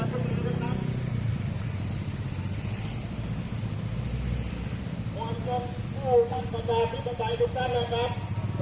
วันที่สุดทั้งประเทศพิษฐาใจทุกท่านนะครับ